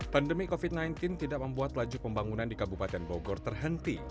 pandemi covid sembilan belas tidak membuat laju pembangunan di kabupaten bogor terhenti